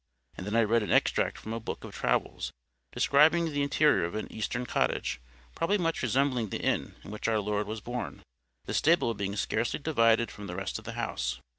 And then I read an extract from a book of travels, describing the interior of an Eastern cottage, probably much resembling the inn in which our Lord was born, the stable being scarcely divided fron the rest of the house.